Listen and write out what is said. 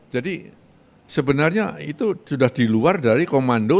jadi sebenarnya itu sudah di luar dari komando